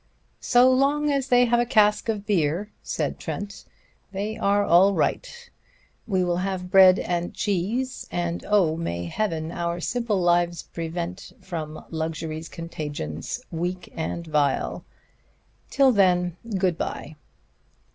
"So long as they have a cask of beer," said Trent, "they are all right. We will have bread and cheese, and oh, may Heaven our simple lives prevent from luxury's contagion, weak and vile! Till then, good by."